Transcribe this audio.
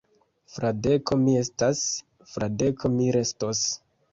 Fradeko mi estas; Fradeko mi restos.